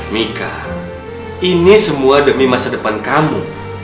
mika ini semua demi masa depan kamu